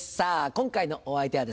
今回のお相手はですね